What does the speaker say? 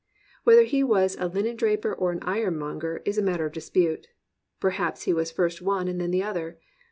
Whether he was a linendraj>er or an iron monger is a matter of dispute. Perhaps he was first one and then the other.